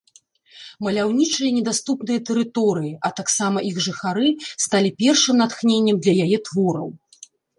Маляўнічыя і недаступныя тэрыторыі, а таксама іх жыхары, сталі першым натхненнем для яе твораў.